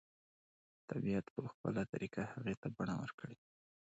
طبیعت به په خپله طریقه هغې ته بڼه ورکړي